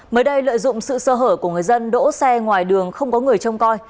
mới đây lợi dụng sự sơ hở của người dân đỗ xe ngoài đường không có người trông coi